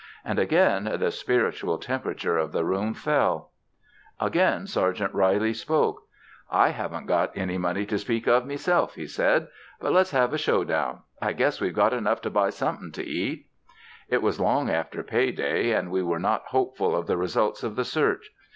And again the spiritual temperature of the room fell. Again Sergeant Reilly spoke: "I haven't got any money to speak of, meself," he said. "But let's have a show down. I guess we've got enough to buy somethin' to eat." It was long after pay day, and we were not hopeful of the results of the search.